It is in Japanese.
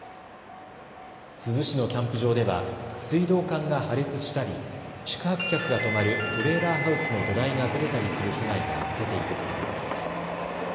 珠洲市のキャンプ場では水道管が破裂したり宿泊客が泊まるトレーラーハウスの土台がずれたりする被害が出ているということです。